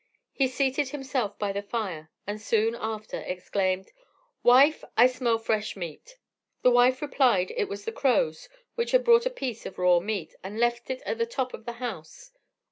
He seated himself by the fire, and soon after exclaimed: "Wife, I smell fresh meat!" The wife replied it was the crows, which had brought a piece of raw meat, and left it at the top of the house.